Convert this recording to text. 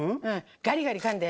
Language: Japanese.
ガリガリかんで。